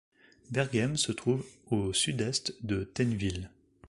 Berguème se trouve à au sud-est de Tenneville.